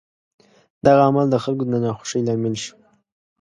دغه عمل د خلکو د ناخوښۍ لامل شو.